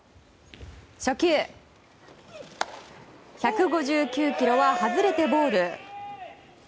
初球、１５９キロは外れてボール。